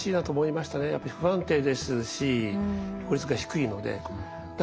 やっぱり不安定ですし効率が低いので。